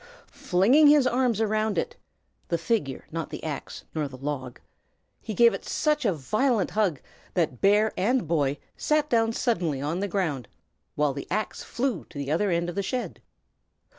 Flinging his arms round it (the figure, not the axe nor the log), he gave it such a violent hug that bear and boy sat down suddenly on the ground, while the axe flew to the other end of the shed.